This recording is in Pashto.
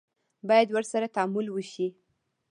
باید ورسره تعامل وشي.